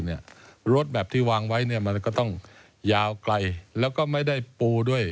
รถแบบที่วางไว้เนี่ยมันก็ต้องยาวไกลแล้วก็ไม่ได้ปูด้วย